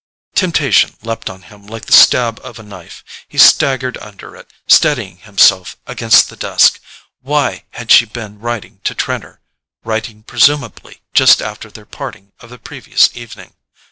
Temptation leapt on him like the stab of a knife. He staggered under it, steadying himself against the desk. Why had she been writing to Trenor—writing, presumably, just after their parting of the previous evening?